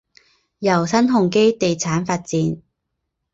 由新鸿基地产发展。